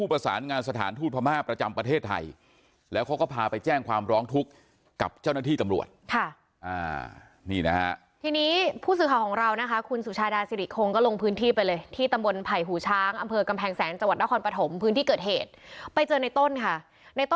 รายงานพระม่าเนี่ยได้ไปเอาแบบเน็ดเลยนะคะ๓ล้าน๔แสน๗หมื่นบาท